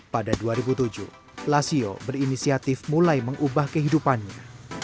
pada dua ribu tujuh lasio berinisiatif mulai mengubah kehidupannya